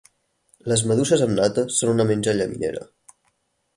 Les maduixes amb nata són una menja llaminera.